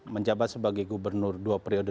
menjabat sebagai gubernur dua periode